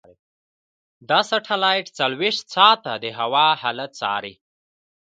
دا سټلایټ څلورویشت ساعته د هوا حالت څاري.